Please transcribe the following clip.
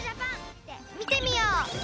見てみよう！